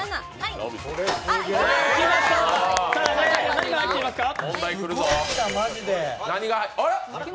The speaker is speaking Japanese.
何が入っていますか？